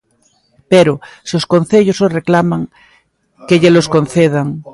Pero, se os concellos os reclaman, que llelos concedan.